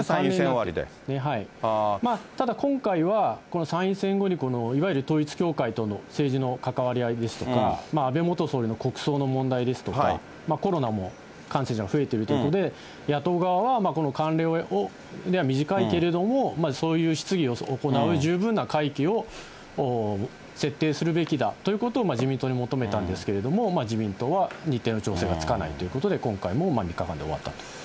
終わりただ、今回は、この参院選後にいわゆる統一教会との政治の関わり合いですとか、安倍元総理の国葬の問題ですとか、コロナも感染者が増えているということで、野党側はこの慣例は短いけれども、そういう質疑を行う十分な会期を設定するべきだということを自民党に求めたんですけれども、自民党は日程の調整がつかないということで、今回も３日間で終わったと。